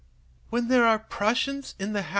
When there are Prussians in the house!